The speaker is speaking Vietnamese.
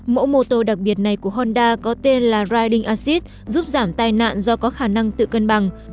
mẫu mô tô đặc biệt này của honda có tên là ryding acid giúp giảm tai nạn do có khả năng tự cân bằng